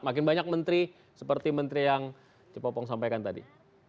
makin banyak menteri seperti menteri yang cipopong sampaikan tadi